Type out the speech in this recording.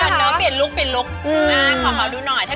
ก้าวเบื้องก้าว